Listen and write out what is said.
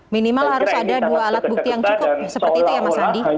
minimal harus ada dua alat bukti yang cukup seperti itu ya mas andi